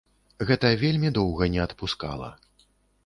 Гэта вельмі доўга не адпускала.